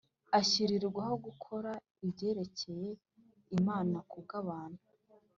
ashyirirwaho gukora ibyerekeye Imana ku bw abantu